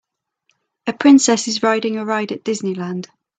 A princess is riding a ride at Disneyland.